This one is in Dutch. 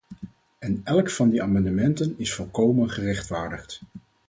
En elk van die amendementen is volkomen gerechtvaardigd.